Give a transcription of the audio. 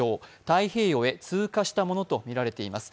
太平洋へ通過したものとみられています。